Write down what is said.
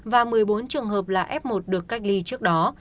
và một mươi bốn trường hợp là f một được cách ly trước đó